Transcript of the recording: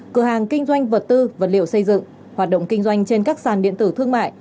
cửa hàng kinh doanh vật tư vật liệu xây dựng hoạt động kinh doanh trên các sàn điện tử thương mại